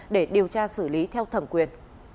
để điều tra xử lý theo thẩm quyền